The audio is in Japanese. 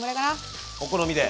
お好みで？